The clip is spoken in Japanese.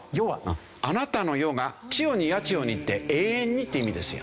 あなたの世が「千代に八千代に」って永遠にって意味ですよ。